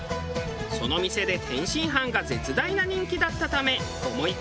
その店で天津飯が絶大な人気だったため思いきって専門店に。